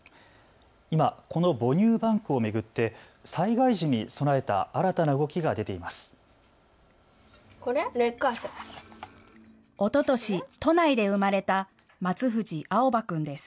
今、この母乳バンクを巡って災害時に備えた新たな動きが出ています。